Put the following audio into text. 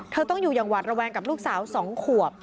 ต้องอยู่อย่างหวาดระแวงกับลูกสาว๒ขวบ